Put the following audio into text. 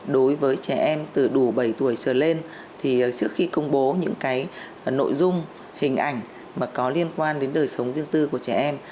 đối với trẻ em từ đủ bảy tuổi trở lên thì trước khi công bố những cái nội dung hình ảnh mà có liên quan đến đời sống riêng tư của trẻ em